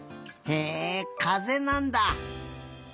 へえかぜなんだ。